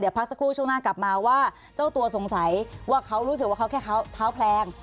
พักสักครู่ช่วงหน้ากลับมาว่าเจ้าตัวสงสัยว่าเขารู้สึกว่าเขาแค่เท้าแพลง